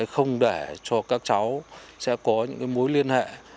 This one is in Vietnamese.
không để cho các cháu sẽ có những mối liên hệ